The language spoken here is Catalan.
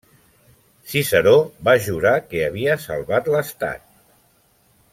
Ciceró va jurar que havia salvat l'Estat.